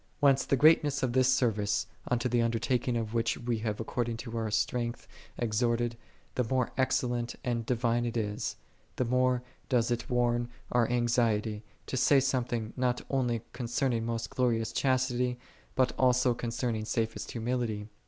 31. Whence the greatness of this service,'9 unto Ihe undertaking of which we have ac cording to our strength exhorted, the more excellent and divine il is, the more dolh il warn our anxiety, to say something not only concerning most glorious chastity, but also concerning safest humility.